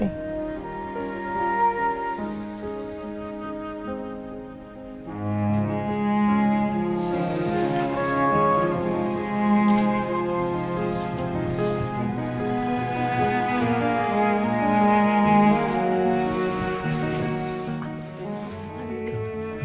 aduh aku sakit